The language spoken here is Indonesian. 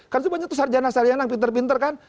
kan banyak tuh sarjana sarjana yang pinter pinter kan